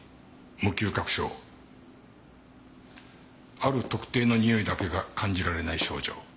ある特定のにおいだけが感じられない症状。